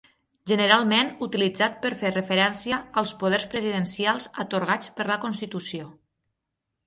Generalment utilitzat per fer referència als poders presidencials atorgats per la constitució.